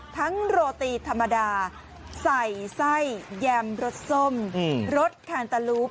ทั้งโรติธรรมดาใส่ไส้แยมรสสมรสขาลตะลูป